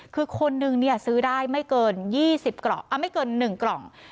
คือคนนึงซื้อได้ไม่เกิน๑กล่อง